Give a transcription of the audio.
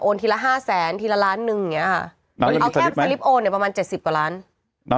โอนทีละ๕๐๐๐๐๐ทีละ๑๐๐๐๐๐๐ริตเยี่ยง